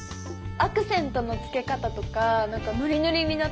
アクセントの付け方とかなんかノリノリになってて